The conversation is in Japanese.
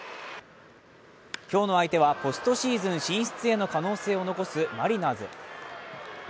今日の相手はポストシーズン進出への可能性を残すマリナーズ。